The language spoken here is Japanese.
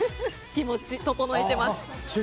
気持ち整えてます。